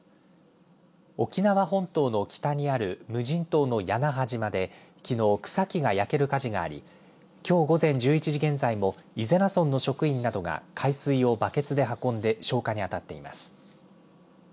沖縄本島の北にある無人島の屋那覇島できのう、草木が焼ける火事がありきょう午前１１時現在も伊是名村の職員などが海水をバケツで運んで消火にあたっています。